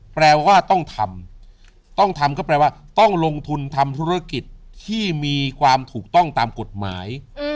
แปลว่าต้องทำต้องทำก็แปลว่าต้องลงทุนทำธุรกิจที่มีความถูกต้องตามกฎหมาย